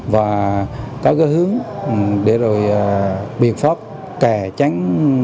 và có cái hướng để rồi biện pháp kè tránh